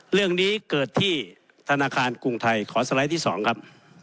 เรื่องนี้เกิดที่ธนาคารกรุงไทยขอสไลด์ที่๒ครับ